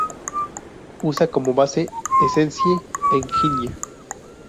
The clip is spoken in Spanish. Usa como base Essence Engine.